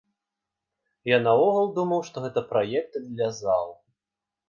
Я наогул думаў, што гэта праект для зал.